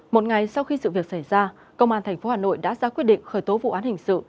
một ngày sau khi sự việc xảy ra công an tp hà nội đã ra quyết định khởi tố vụ án hình sự